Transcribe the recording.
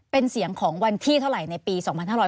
เป็นเสียงของวันที่เท่าไหร่ในปี๒๕๖๐